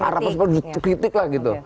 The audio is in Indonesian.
harapan seperti kritik lah gitu